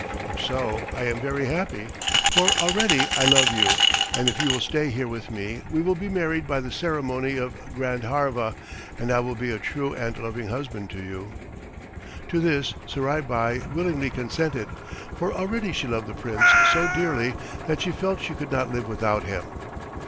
If so, I am very happy, for already I love you, and if you will stay here with me we will be married by the ceremony of Grandharva, and I will be a true and loving husband to you." To this Surai Bai willingly consented, for already she loved the prince so dearly that she felt she could not live without him.